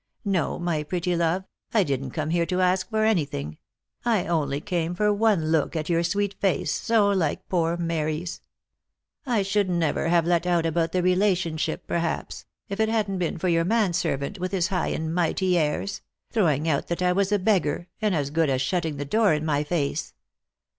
No, my pretty love, I didn't come here to ask for anything ; I only came for one look at your sweet face, so like poor Mary's. I should never have let out about the rela tionship, perhaps, if it hadn't been for your man servant, with his high and mighty airs ; throwing out that I was a beggar, and as good as shutting the door in my face.